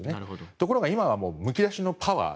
ところが今はむき出しのパワー。